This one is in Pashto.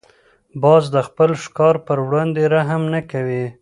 باز د خپل ښکار پر وړاندې رحم نه کوي